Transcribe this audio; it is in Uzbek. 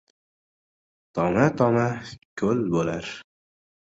• Toma-toma ko‘l bo‘lar.